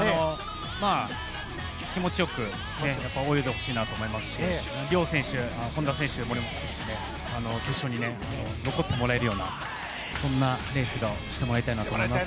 気持ち良く泳いでほしいなと思いますし両選手、本多選手、森本選手決勝に残ってもらえるようなそんなレースをしてもらいたいなと思います。